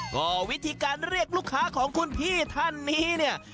ก็วิธีการเรียกลูกค้าของคุณพี่ท่านนี้เนี่ย